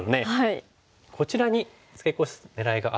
こちらにツケコす狙いがあるんですね。